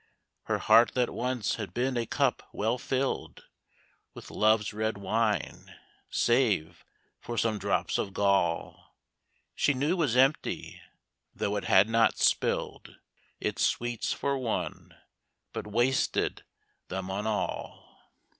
Her heart that once had been a cup well filled With love's red wine, save for some drops of gall She knew was empty; though it had not spilled Its sweets for one, but wasted them on all.